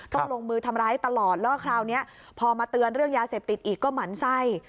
ลงมือทำร้ายตลอดแล้วก็คราวนี้พอมาเตือนเรื่องยาเสพติดอีกก็หมั่นไส้